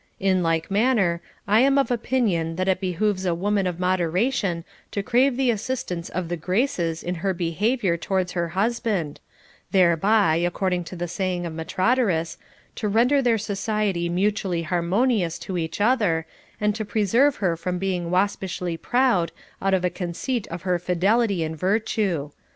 In like man ner, I am of opinion that it behooves a woman of modera tion to crave the assistance of the Graces in her behavior towards her husband, thereby (according to the saying of Metrodorus) to render their society mutually harmonious to each other, and to preserve her from being waspishly proud, out of a conceit of her fidelity and virtue.